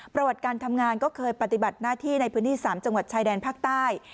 ประวัติการทำงานก็เคยปฏิบัติหน้าที่ในพื้นที่๓จังหวัดชายแดนภาคใต้